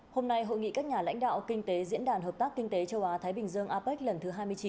hôm nay hội nghị các nhà lãnh đạo kinh tế diễn đàn hợp tác kinh tế châu á thái bình dương apec lần thứ hai mươi chín